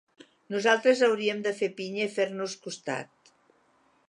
Nosaltres hauríem de fer pinya i fer-nos costat.